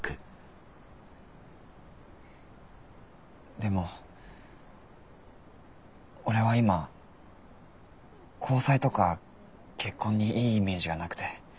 でも俺は今交際とか結婚にいいイメージがなくて。